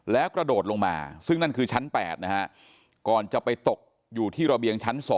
แล้วกระโดดลงมาซึ่งนั่นคือชั้น๘นะฮะก่อนจะไปตกอยู่ที่ระเบียงชั้น๒